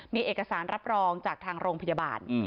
มีเอกสารรับรองจากทางโรงพยาบาล